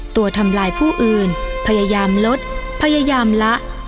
ตัวทำลายผู้อื่นพยายามลดพยายามละ